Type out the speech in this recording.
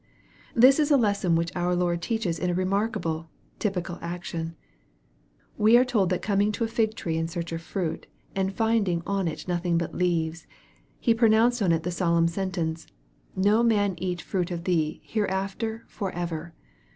This is a lesson which our Lord teaches in a remarkable typical action. We are told that coming to a fig tree in search of fruit, and finding " on it nothing but leaves," He pronounced on it the solemn sentence, " No man eat fruit of thee hereafter for ever."